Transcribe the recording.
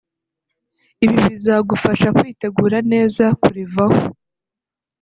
ibi bizagufasha kwitegura neza kurivaho